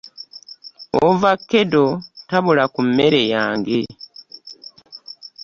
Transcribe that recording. Ovakkedo tabula ku mmere yange.